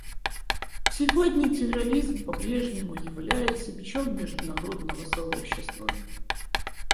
Сегодня терроризм попрежнему является бичом международного сообщества.